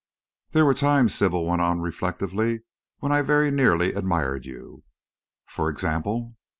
"There were times," Sybil went on reflectively, "when I very nearly admired you." "For example?"